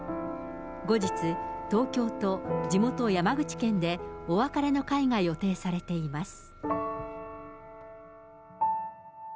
後日、東京と地元、山口県でお別れの会が予定されています。